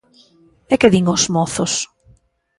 E que din os mozos?